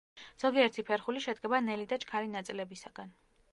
ზოგიერთი ფერხული შედგება ნელი და ჩქარი ნაწილებისაგან.